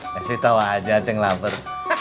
kasih tau aja yang lapar